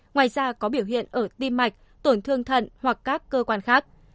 ngoài ra có biểu hiện ở tim mạch tổn thương thận hoặc các cơ quan khác